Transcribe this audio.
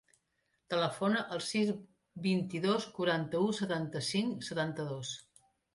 Telefona al sis, vint-i-dos, quaranta-u, setanta-cinc, setanta-dos.